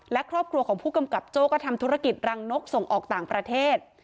และครอบครัวของผู้กำกับโจ้ก็ทำธุรกิจรังนกส่งออกต่างประเทศ